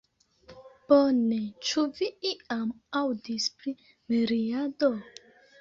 Bone, ĉu vi iam aŭdis pri miriado?